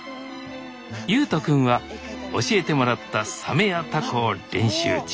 ゆうと君は教えてもらったサメやタコを練習中。